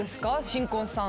新婚さん。